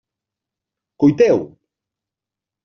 Cuiteu!